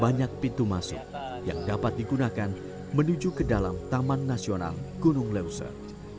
banyak pintu masuk yang dapat digunakan menuju ke dalam taman nasional gunung leuser